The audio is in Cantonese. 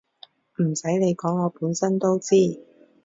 唔洗你講我本身都知